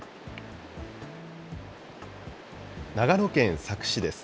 長野県佐久市です。